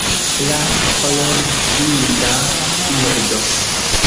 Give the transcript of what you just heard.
La kolorblinda birdo